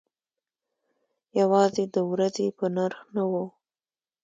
یوازې د ورځې په نرخ نه و.